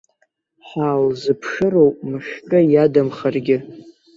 Ҳаалзыԥшыроуп, мышкы иадамхаргьы.